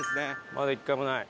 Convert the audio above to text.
まだ一回もない。